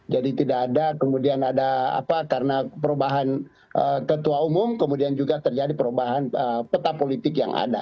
jadi tidak ada kemudian ada apa karena perubahan ketua umum kemudian juga terjadi perubahan peta politik yang ada